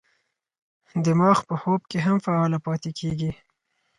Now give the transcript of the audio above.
دماغ په خوب کې هم فعال پاتې کېږي.